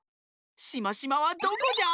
しましまはどこじゃ？